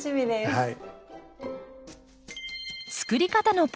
はい。